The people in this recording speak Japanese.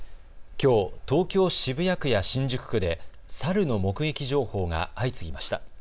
きょう、東京渋谷区や新宿区でサルの目撃情報が相次ぎました。